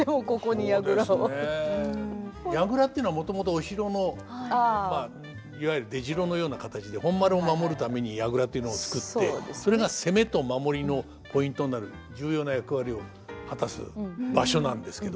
櫓っていうのはもともとお城のまあいわゆる出城のような形で本丸を守るために櫓というのを作ってそれが攻めと守りのポイントになる重要な役割を果たす場所なんですけど。